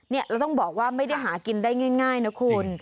แล้วต้องบอกว่าไม่ได้หากินได้ง่ายนะคุณ